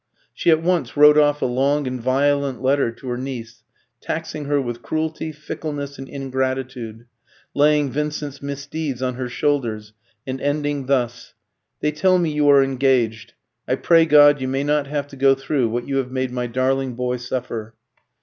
She at once wrote off a long and violent letter to her niece, taxing her with cruelty, fickleness, and ingratitude, laying Vincent's misdeeds on her shoulders, and ending thus: "They tell me you are engaged. I pray God you may not have to go through what you have made my darling boy suffer."